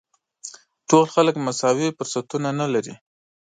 ټول خلک مساوي فرصتونه نه لري.